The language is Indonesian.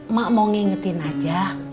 mak mau ngingetin aja